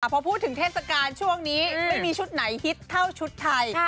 พอพูดถึงเทศกาลช่วงนี้ไม่มีชุดไหนฮิตเท่าชุดไทย